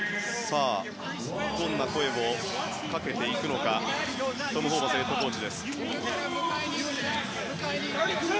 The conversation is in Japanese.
どんな声をかけていくのかトム・ホーバスヘッドコーチ。